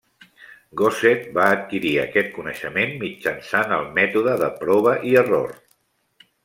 Gosset va adquirir aquest coneixement mitjançant el mètode de prova i error.